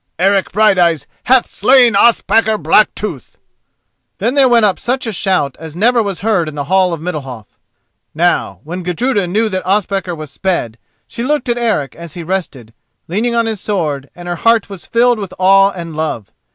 Eric Brighteyes hath slain Ospakar Blacktooth!" Then there went up such a shout as never was heard in the hall of Middalhof. Now when Gudruda knew that Ospakar was sped, she looked at Eric as he rested, leaning on his sword, and her heart was filled with awe and love.